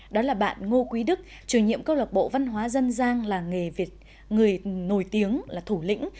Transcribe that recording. đó là bạn ngô quý đức truyền nhiệm câu lạc bộ văn hóa dân gian là người việt người nổi tiếng là thủ lĩnh